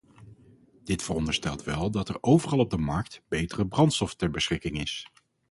Dit veronderstelt wel dat er overal op de markt betere brandstof ter beschikking is.